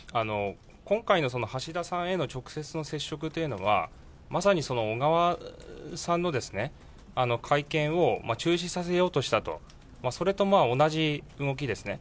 今回の橋田さんへの直接の接触というのは、まさに小川さんの会見を中止させようとしたと、それと同じ動きですね。